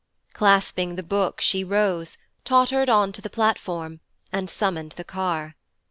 Clasping the Book, she rose, tottered on to the platform, and summoned the car.